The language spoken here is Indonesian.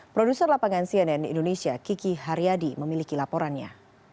produser lapangan cnn indonesia kiki haryadi memiliki laporannya